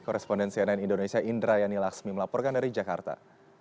koresponden cnn indonesia indra yani laksmi melaporkan dari jakarta